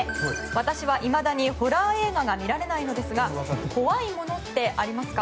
「私はいまだにホラー映画が見られないのですが怖いものってありますか？」